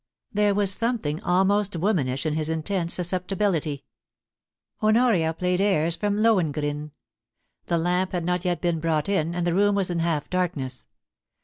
There was something almost womanish in his intense susceptibility. Honoria played airs from * Lohengrin.' The lamp had not yet been brought in, and the room was in half darkness.